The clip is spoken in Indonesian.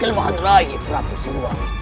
kelemahan rakyat terapu semua